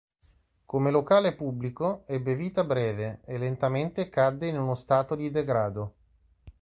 Come locale pubblico ebbe vita breve e lentamente cadde in uno stato di degrado.